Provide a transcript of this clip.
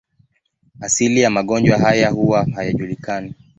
Asili ya magonjwa haya huwa hayajulikani.